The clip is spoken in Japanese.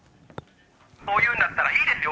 そう言うんだったら、いいですよ。